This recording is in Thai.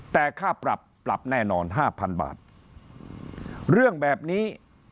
แต่ค่าปรับปรับแน่นอนห้าพันบาทเรื่องแบบนี้